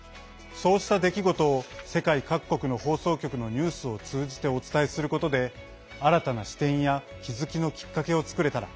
そうした出来事を世界各国の放送局のニュースを通じてお伝えすることで新たな視点や気付きのきっかけを作れたら。